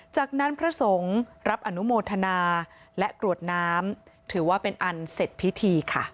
จากนั้นพระสงฆ์รับอนุโมทนาและกรวดน้ำถือว่าเป็นอันเสร็จพิธีค่ะ